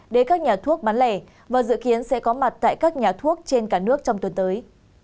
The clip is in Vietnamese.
đến các nhà thuốc bán lẻ và dự kiến sẽ có mặt tại các nhà thuốc trên cả nước trong tuần tới